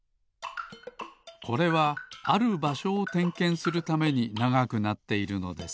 これはあるばしょをてんけんするためにながくなっているのです。